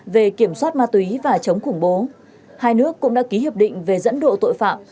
về kiểm soát ma túy và chống khủng bố hai nước cũng đã ký hiệp định về dẫn độ tội phạm